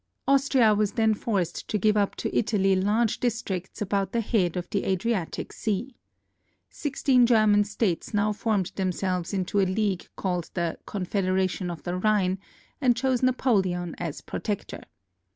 Austria was then forced to give up to Italy large districts about the head of the Adriatic Sea. Sixteen German states now formed themselves into a league called the Con federation of the Rhine, and chose Napoleon as Protector.